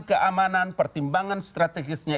keamanan pertimbangan strategisnya